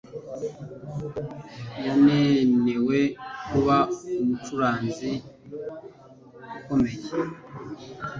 Yagenewe kuba umucuranzi ukomeye.